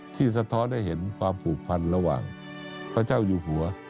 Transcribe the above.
สะท้อนให้เห็นความผูกพันระหว่างพระเจ้าอยู่หัว